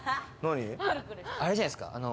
あれじゃないですか？